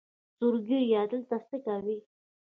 سور ږیریه دلته څۀ کوې؟